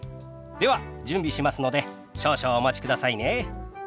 では準備しますので少々お待ちくださいね。